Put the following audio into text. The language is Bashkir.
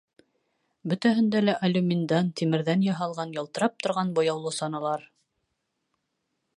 Бөтәһендә лә алюминдан, тимерҙән яһалған, ялтырап торған буяулы саналар...